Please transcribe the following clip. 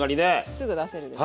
すぐ出せるでしょ。